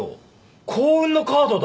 幸運のカードだ！